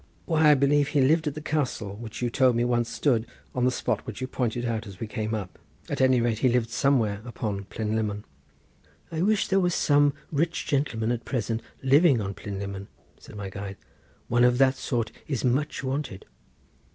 "Why, I believe, he lived at the castle, which you told me once stood on the spot which you pointed out as we came up. At any rate, he lived somewhere upon Plynlimmon." "I wish there was some such rich gentleman at present living on Plynlimmon," said my guide; "one of that sort is much wanted."